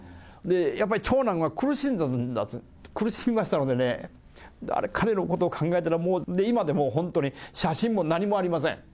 やっぱり長男は苦しんどるんだと、苦しみましたからね、彼のことを考えたら、もう、今でも本当に、写真も何もありません。